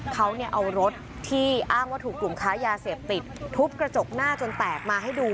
เขาเอารถที่อ้างว่าถูกกลุ่มค้ายาเสพติดทุบกระจกหน้าจนแตกมาให้ดู